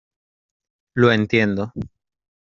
lo entiendo.